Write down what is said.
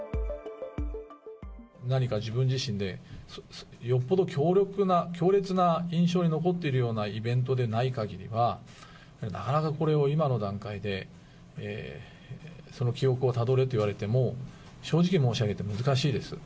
何か自分自身で、よっぽど強力な、強烈な印象に残っているようなイベントでないかぎりは、なかなかこれを今の段階で、その記憶をたどれと言われても、正直申し上げて難しいです。